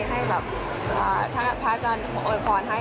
ให้แบบถ้าพระอาจารย์โอยพรให้